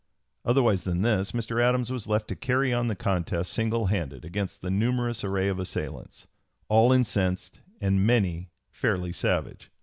Otherwise than this Mr. Adams was left to carry on the contest single handed against the numerous array of assailants, all incensed and many fairly savage.